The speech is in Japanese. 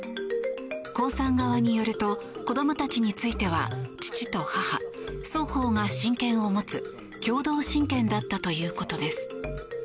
コウさん側によると子どもたちについては父と母双方が親権を持つ共同親権だったということです。